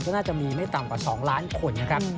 ก็น่าจะมีไม่ต่ำกว่า๒ล้านคนนะครับ